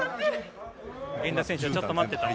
源田選手はちょっと待ってと。